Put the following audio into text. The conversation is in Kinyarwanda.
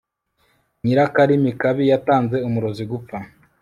nyirakarimi kabi yatanze umurozi gupfa